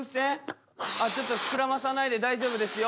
あっちょっと膨らまさないで大丈夫ですよ。